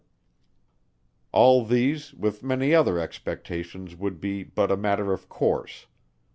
All these with many other expectations would be but a matter of course.